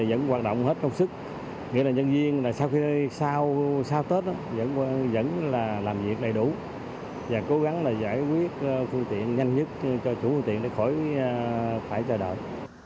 vì vẫn hoạt động hết nông sức nghĩa là nhân viên sau tết vẫn làm việc đầy đủ và cố gắng giải quyết phương tiện nhanh nhất cho chủ phương tiện để khỏi phải chờ đợi